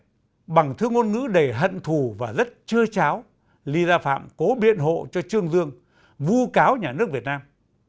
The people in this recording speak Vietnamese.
tóm lại bằng thư ngôn ngữ đầy hận thù và rất chơ cháo lý gia phạm cố biện hộ cho trương dương vu cáo nhà nước việt nam